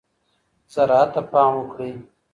زراعت ته پام وکړئ.